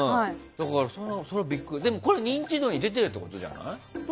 それは認知度に出てるってことじゃない？